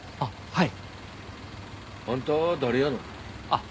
はい。